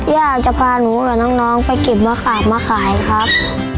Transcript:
ย่าจะพาหนูกับน้องไปเก็บมะขามมาขายครับ